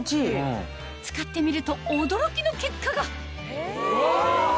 使ってみると驚きの結果がうわ！